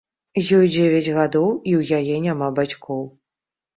Ёй дзевяць гадоў і ў яе няма бацькоў.